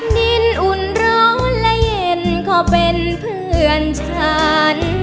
ดินอุ่นร้อนและเย็นก็เป็นเพื่อนฉัน